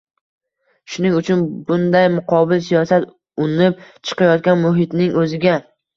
Shuning uchun bunday muqobil siyosat unib chiqayotgan muhitning o‘ziga